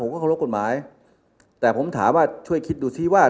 ก็เคารพกฎหมายแต่ผมถามว่าช่วยคิดดูซิว่า